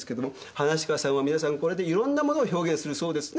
噺家さんはみなさんこれでいろんなものを表現するそうですね。